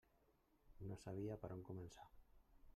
No sabia per on començar.